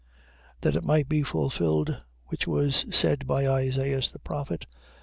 That it might be fulfilled which was said by Isaias the prophet: 4:15.